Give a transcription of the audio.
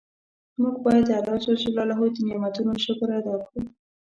مونږ باید د الله ج د نعمتونو شکر ادا کړو.